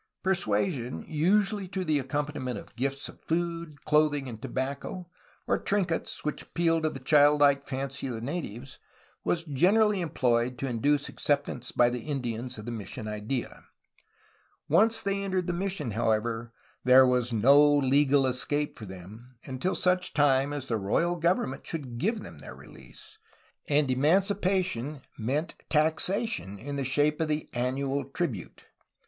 Persuasion, usually to the accom paniment of gifts of food, clothing, and tobacco, or trinkets which appealed to the child like fancy of the natives, was generally employed to induce acceptance by the Indians of the mission idea. Once they entered the mission, however, there was no legal escape for them until such time as the 152 A HISTORY OF CALIFORNIA royal government should give them their release, and emancipation meant taxation in the shape of the annual tribute.